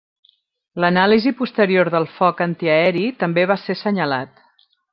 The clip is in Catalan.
L'anàlisi posterior del foc antiaeri també va ser senyalat.